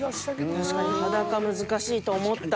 確かに「裸」難しいと思った。